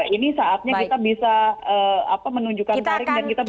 ini saatnya kita bisa menunjukkan paring dan kita bisa berkomunisi